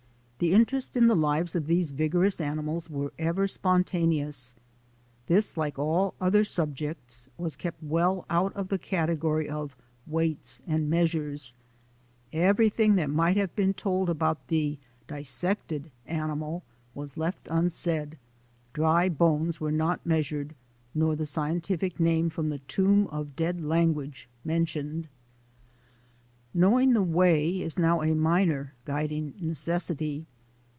The interest in the lives of these vigorous animals was ever spontaneous. This, like all other subjects, was kept well out of the category of weights and measures; everything that might have been told about the dissected animal was left unsaid; dry bones were not measured, nor the scientific name from the tomb of dead language mentioned. Knowing the way is now a minor guiding neces sity.